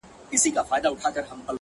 هغه چي ته يې په هغه دنيا له خدايه غوښتې-